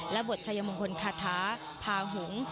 และบทชัยมงคลฆาธาภาหุง